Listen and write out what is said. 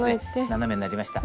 斜めになりました。